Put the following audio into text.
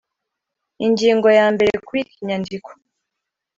ingingo ya mbere kubika inyandiko